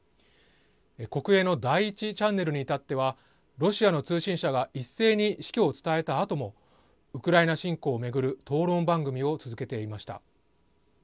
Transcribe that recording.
国営の第１チャンネルに至ってはロシアの通信社が一斉に死去を伝えたあともウクライナ侵攻を巡る討論番組を続けていました。